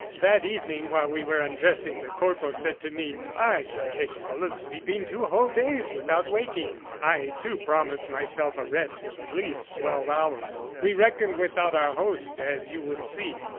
"That evening, while we were undressing, the corporal said to me: 'I am capable of sleeping two whole days without waking.' I, too, promised myself a rest of at least twelve hours. We reckoned without our host, as you will see.